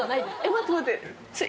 待って待ってそれ。